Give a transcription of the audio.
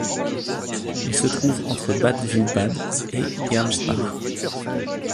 Il se trouve entre Bad Wildbad et Gernsbach.